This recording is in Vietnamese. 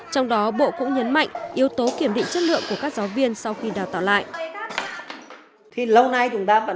trong đó bộ cũng nhấn mạnh yếu tố kiểm định chất lượng của các giáo viên sau khi đào tạo lại